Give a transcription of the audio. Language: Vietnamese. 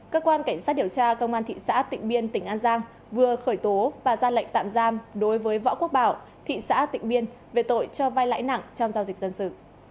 cơ quan cảnh sát điều tra công an thị xã tịnh biên tỉnh an giang vừa khởi tố và ra lệnh tạm giam đối với võ quốc bảo thị xã tịnh biên về tội cho vai lãi nặng trong giao dịch dân sự